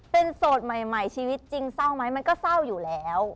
เป็นโสดใหม่ชีวิตจริงเศร้าไหมมันก็เศร้าอยู่แล้ว